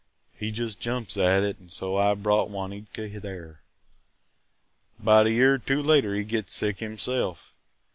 He just jumps at it and so I brought Wanetka there. "'Bout a year or two later he gets sick himself.